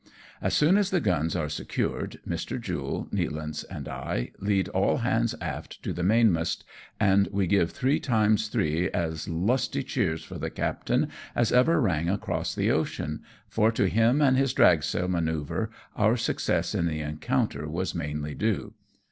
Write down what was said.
As soon as the guns are secured, Mr. Jule, Nealance, and I lead all hands aft to the mainmast, and we give three times three as lusty cheers for the captain as ever rang across the ocean, for to him and his dragsail manoeuvre our success in the encounter was mainly due.